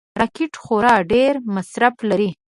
راکټ خورا ډېر مصرف لري